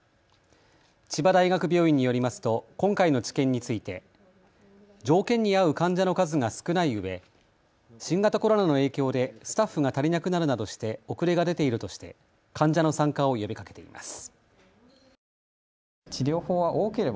千葉大学病院によりますと今回の治験について条件に合う患者の数が少ないうえ新型コロナの影響でスタッフが足りなくなるなどして遅れが出ているとして患者の参加を呼びかけています。